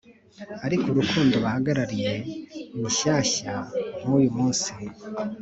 ariko urukundo bahagarariye ni shyashya nkuyu munsi